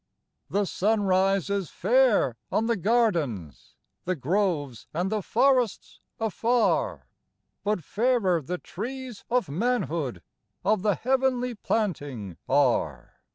The sunrise is fair on the gardens, The groves and the forests afar ; (13) 14 EASTER GLEAMS But fairer the trees of manhood, Of the heavenly planting are.